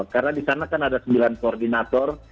karena di sana kan ada sembilan koordinator